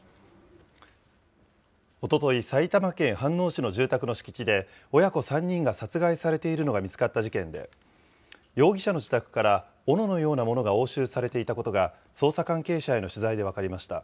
おととい、埼玉県飯能市の住宅の敷地で、親子３人が殺害されているのが見つかった事件で、容疑者の自宅からおののようなものが押収されていたことが、捜査関係者への取材で分かりました。